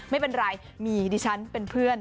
ไม่เป็นไรมีดิฉันเป็นเพื่อน